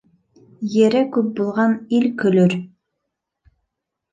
Ере күп булған ил көлөр